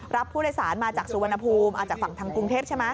รับผู้โดยสารมาจากสุวรรณภูมิจากฝั่งทางกรุงเทพใช่ไหม